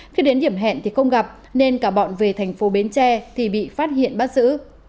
khi đến điểm hẹn thì không gặp nên cả bọn về thành phố bến tre thì bị phát hiện bắt giữ